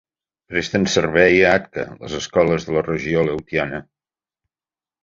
Presten servei a Atka les escoles de la regió aleutiana.